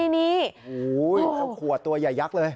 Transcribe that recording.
นี่เจ้าขวดตัวใหญ่ยักษ์เลย